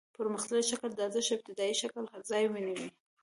پرمختللي شکل د ارزښت د ابتدايي شکل ځای ونیو